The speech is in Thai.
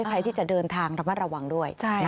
ใครที่จะเดินทางระมัดระวังด้วย